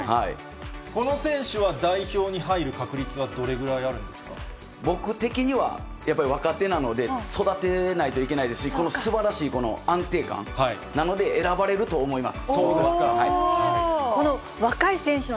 この選手は代表に入る確率は、僕的には、やっぱり若手なので、育てないといけないですし、このすばらしい、この安定感、なので、選ばれると思います。